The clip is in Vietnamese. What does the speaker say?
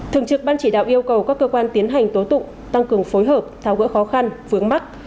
thường trực ban chỉ đạo yêu cầu các cơ quan tiến hành tố tụng tăng cường phối hợp tháo gỡ khó khăn vướng mắt